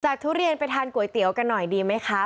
ทุเรียนไปทานก๋วยเตี๋ยวกันหน่อยดีไหมคะ